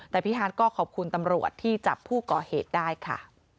แต่พี่ฮาร์ดก็ขอบคุณตำรวจที่จับผู้ก่อเหตุได้ค่ะ